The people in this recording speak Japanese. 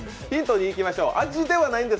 ヒント２いきましょう。